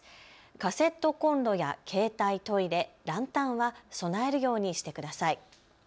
カセットコンロや携帯トイレ、ランタンは備えるようにしてください。